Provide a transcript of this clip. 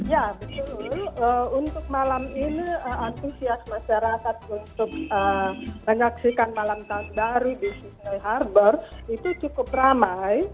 ya betul untuk malam ini antusias masyarakat untuk menyaksikan malam tahun baru di sungai harbor itu cukup ramai